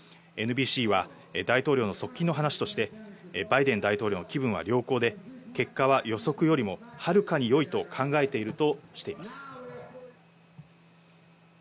ＮＢＣは大統領の側近の話として、バイデン大統領の気分は良好で、結果は予測よりもはるかによいと考えているとしています。